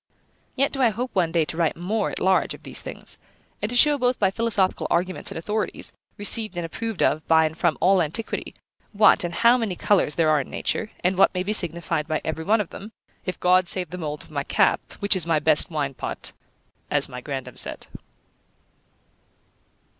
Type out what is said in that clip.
Yet do I hope one day to write more at large of these things, and to show both by philosophical arguments and authorities, received and approved of by and from all antiquity, what, and how many colours there are in nature, and what may be signified by every one of them, if God save the mould of my cap, which is my best wine pot, as my grandam said.